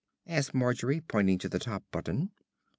asked Margery, pointing to the top button.